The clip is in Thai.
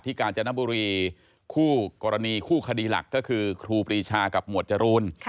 กาญจนบุรีคู่กรณีคู่คดีหลักก็คือครูปรีชากับหมวดจรูน